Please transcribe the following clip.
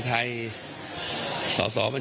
ให้ส่วนตาขึ้น